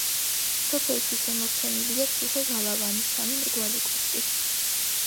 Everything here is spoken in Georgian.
სოფელში შემორჩენილია ციხე-გალავანი სამი მრგვალი კოშკით.